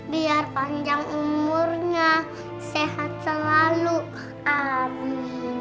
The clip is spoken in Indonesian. biar panjang umurnya sehat selalu ada